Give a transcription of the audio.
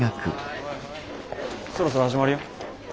そろそろ始まるよ。